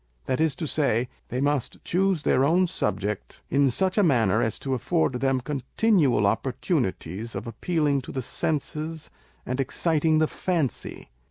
That is to say, they must choose their own subject, in such a manner as to afford them continual opportunities of appealing to the senses and exciting the fancy.